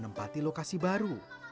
menempati lokasi baru